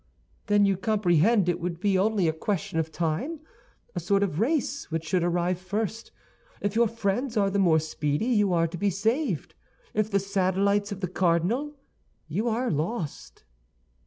"Then you comprehend it would be only a question of time, a sort of race, which should arrive first. If your friends are the more speedy, you are to be saved; if the satellites of the cardinal, you are lost."